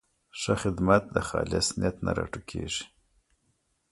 ښه خدمت د خالص نیت نه راټوکېږي.